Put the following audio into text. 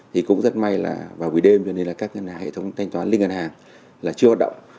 thì cũng rất may là vào buổi đêm cho nên là các hệ thống thanh toán linh ngân hàng là chưa hoạt động